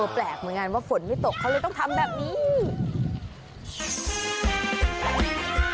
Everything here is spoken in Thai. แปลกเหมือนกันว่าฝนไม่ตกเขาเลยต้องทำแบบนี้